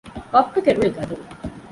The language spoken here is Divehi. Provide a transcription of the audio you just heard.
ބައްޕަގެ ރުޅި ގަދަވި